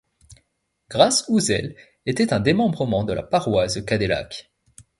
Grâce-Uzel était un démembrement de la paroisse de Cadélac.